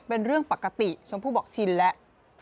เป็นเรื่องปกติชมพู่บอกชินแล้ว